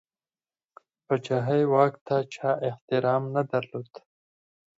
پاچهي واک ته چا احترام نه درلود.